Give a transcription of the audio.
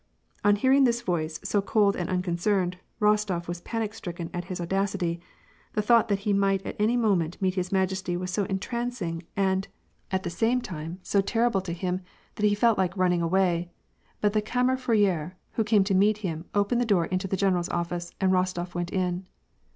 On hearing this voice, so cold and unconcerned, Bostof was j)anic 8tricken at his audacity ; the thought that he might at any moment meet his majesty was so entrancing, and, at the same WAn AND PEACE. 147 time, so terrible to him, that he felt like running away, but the kammer fourrier, who came to meet him, opened the door into the general's office, and Rostof went in.